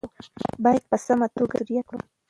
باید په سمه توګه یې مدیریت کړو.